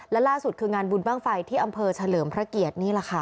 และล่าสุดคืองานบุญบ้างไฟที่อำเภอเฉลิมพระเกียรตินี่แหละค่ะ